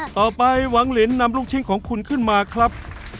หวังลินนำลูกชิ้นของคุณขึ้นมาครับ